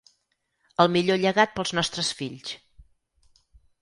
El millor llegat pels nostres fills.